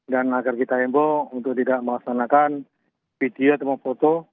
dan agar kita imbau untuk tidak melaksanakan video atau foto